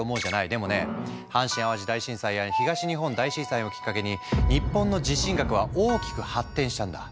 でもね阪神・淡路大震災や東日本大震災をきっかけに日本の地震学は大きく発展したんだ。